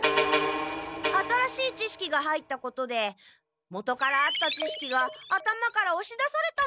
新しいちしきが入ったことで元からあったちしきが頭からおし出されたのかも。